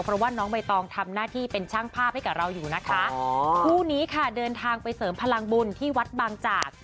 เพราะว่าน้องใบตองทำหน้าที่เป็นช่างภาพให้กับเราอยู่นะคะอ๋อคู่นี้ค่ะเดินทางไปเสริมพลังบุญที่วัดบางจาก